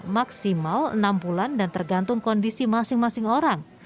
maksimal enam bulan dan tergantung kondisi masing masing orang